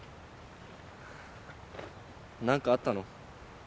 何かあったの？